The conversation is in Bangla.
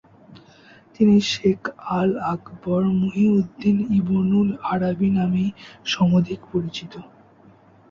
তিনি Sheikh al Akbar Muhiuddin Ibnul Arabi নামেই সমধিক পরিচিত।